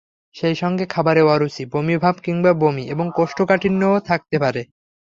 সেই সঙ্গে খাবারে অরুচি, বমি ভাব কিংবা বমি এবং কোষ্ঠকাঠিন্যও থাকতে পারে।